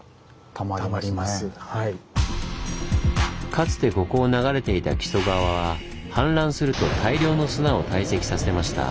かつてここを流れていた木曽川は氾濫すると大量の砂を堆積させました。